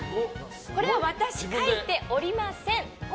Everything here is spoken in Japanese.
これは私、書いておりません。